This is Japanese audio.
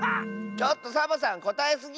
ちょっとサボさんこたえすぎ！